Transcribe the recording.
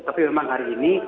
tapi memang hari ini